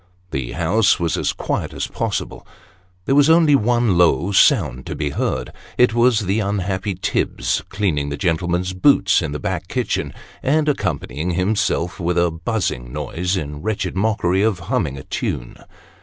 The house was as quiet as possible. There was only one low sound to be heard it was the unhappy Tibbs cleaning the gentlemen's boots in the back kitchen, and accompanying himself with a buzzing noise, in wretched mockery of humming a tune.